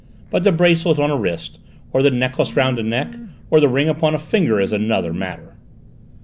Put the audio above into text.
But the bracelet on a wrist, or the necklace round a neck, or the ring upon a finger is another matter!"